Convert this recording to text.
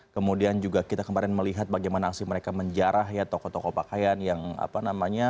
kemudian juga kita kemarin melihat bagaimana aksi mereka menjarah ya toko toko pakaian yang apa namanya